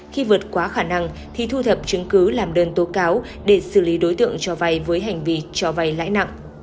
khi vượt quá khả năng thì thu thập chứng cứ làm đơn tố cáo để xử lý đối tượng cho vay với hành vi cho vay lãi nặng